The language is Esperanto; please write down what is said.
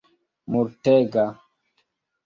multega